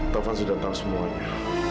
taufan sudah tahu semuanya